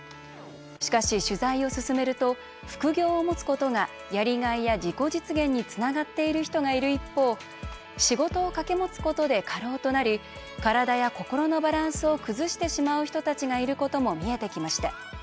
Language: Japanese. しかし、取材を進めると副業をもつことがやりがいや自己実現につながっている人がいる一方仕事を掛け持つことで過労となり体や心のバランスを崩してしまう人たちがいることも見えてきました。